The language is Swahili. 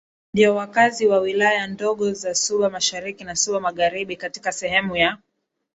ndio wakazi wa wilaya ndogo za Suba Mashariki na Suba Magharibi katika sehemu ya